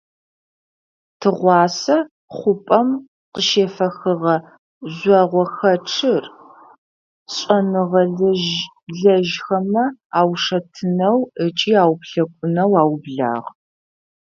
Тыгъуасэ хъупӏэм къыщефэхыгъэ жъогъохэчъыр шӏэныгъэлэжьхэмэ аушэтынэу ыкӏи ауплъэкӏунэу аублагъ.